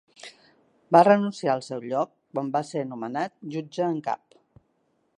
Va renunciar al seu lloc quan va ser nomenat jutge en cap.